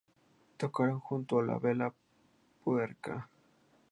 Tocaron junto a La Vela Puerca.